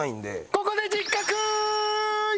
ここで実家クーイズ！